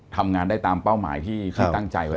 ทำงานได้ตามเป้าหมายที่ตั้งใจไว้